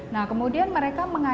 nah kemudian mereka mengatakan